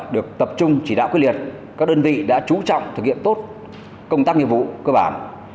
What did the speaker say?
được tập trung chỉ đạo quyết liệt các đơn vị đã chú trọng thực hiện tốt công tác nhiệm vụ cơ bản